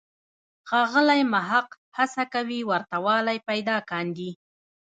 ښاغلی محق هڅه کوي ورته والی پیدا کاندي.